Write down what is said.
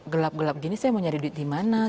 gelap gelap gini saya mau nyari duit di mana